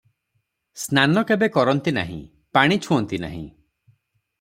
ସ୍ନାନ କେବେ କରନ୍ତି ନାହିଁ, ପାଣି ଛୁଅନ୍ତି ନାହିଁ ।